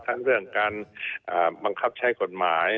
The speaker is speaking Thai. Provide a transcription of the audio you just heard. เรื่องการบังคับใช้กฎหมาย